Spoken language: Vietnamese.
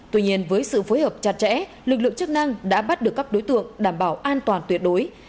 tuy nhiên với sự phối hợp chặt chẽ lực lượng chức năng đã bắt được các đối tượng đảm bảo an toàn tuyệt đối